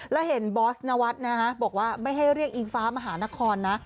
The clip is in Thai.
แล้วเห็นบอสนวัฒน์นะฮะบอกว่าไม่ให้เรียกอิงฟ้ามหานครนะ